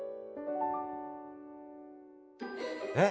えっ？